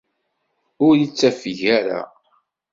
Ur ittafeg ara.